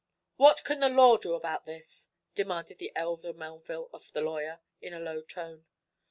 "What can the law do about this?" demanded the elder Melville of the lawyer, in a low tone.